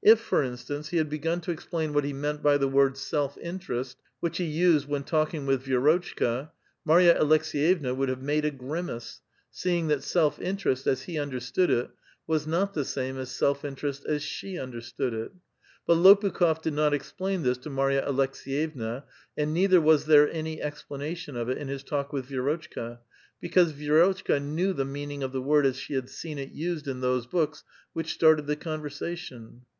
If, for instance, he had begun to explain A VITAL QUESTION. 93 what he meant by the word " self interest," which he used when talking with Vi^rotchka, Marya Aleks^*yevna would have made a grimace, seeing that self iutereyt, as he un derstood it, was not the same as self interest as she under stood it; but Lopukh6f did not explain this to Marya Aleks^yevna, and neither was there any explanation of it in his talk with Vi^rotchka, because Vii^rotchka knew the mean ing of the word as she had seen it used in those books which started the conversation.